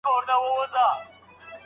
پریکړې به ناسمې نه وي.